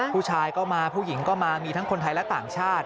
ผู้ชายก็มาผู้หญิงก็มามีทั้งคนไทยและต่างชาติ